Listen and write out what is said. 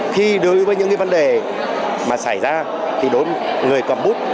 khi đối với những cái vấn đề mà xảy ra thì đối với người cầm bút